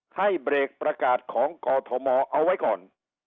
ให้เบรกประกาศของกอทมเอาไว้ก่อน